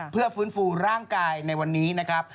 เพื่อฟื้นฟูร่างกายในวันนี้นะครับ